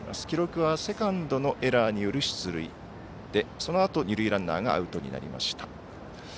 記録はセカンドのエラーによる出塁でそのあと、二塁ランナーがアウトになりました。